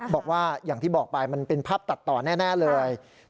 บอกว่าอย่างที่บอกไปมันเป็นภาพตัดต่อแน่เลย